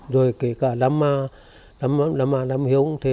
rồi kể cả đám ma đám hiếu cũng thế